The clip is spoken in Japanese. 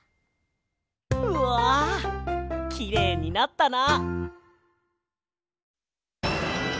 うわきれいになったな！